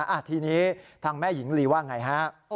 อ่าทีนี้ทางแม่หญิงลีว่าอย่างไรคะ